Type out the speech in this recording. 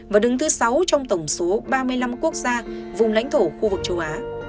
và đứng thứ sáu trong tổng số ba mươi năm quốc gia vùng lãnh thổ khu vực châu á